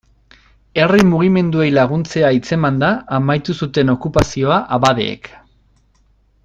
Herri mugimenduei laguntzea hitzemanda amaitu zuten okupazioa abadeek.